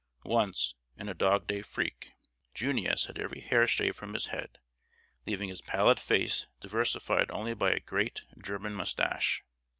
Once, in a dog day freak, "Junius" had every hair shaved from his head, leaving his pallid face diversified only by a great German mustache.